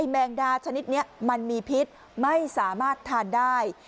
แมงดาชนิดนี้มันมีพิษไม่สามารถทานได้